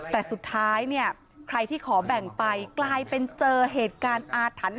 แต่สุดท้ายเนี่ยใครที่ขอแบ่งไปกลายเป็นเจอเหตุการณ์อาถรรพ์